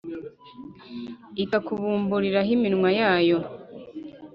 ikakubumburiraho iminwa yayo,